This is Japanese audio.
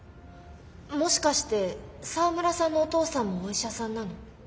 もしかして沢村さんのお父さんもお医者さんなの？